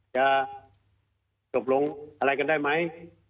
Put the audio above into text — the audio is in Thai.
จะจบลงอะไรกันได้ไหม